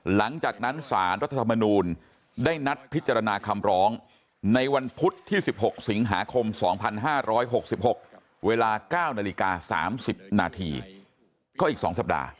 หลังจากนั้นสารรัฐธรรมนูลได้นัดพิจารณาคำร้องในวันพุธที่๑๖สิงหาคม๒๕๖๖เวลา๙นาฬิกา๓๐นาทีก็อีก๒สัปดาห์